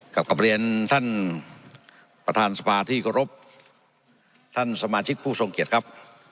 กลับกลับเรียนท่านประธานสภาที่เคารพท่านสมาชิกผู้ทรงเกียจครับ